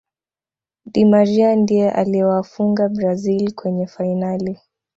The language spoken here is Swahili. di Maria ndiye aliyewafunga brazil kwenye fainali